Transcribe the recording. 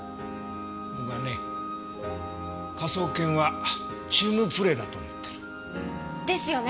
僕はね科捜研はチームプレーだと思ってる。ですよね！